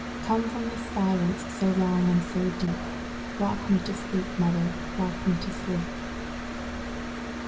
Come from the silence so long and so deep;—Rock me to sleep, mother,—rock me to sleep!